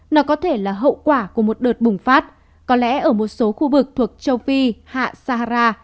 nó có thể là hậu quả của một đợt bùng phát có lẽ ở một số khu vực thuộc châu phi hạ sahara